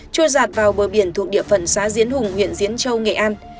trôi rạt vào bờ biển thuộc địa phận xá diễn hùng huyện diễn châu nghệ an